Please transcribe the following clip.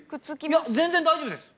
いや全然大丈夫です。